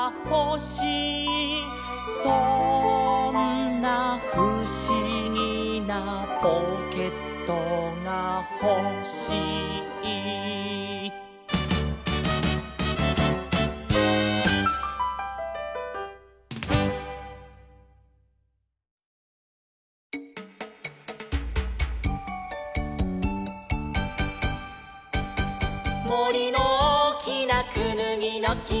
「そんなふしぎなポケットがほしい」「もりのおおきなくぬぎのきはね」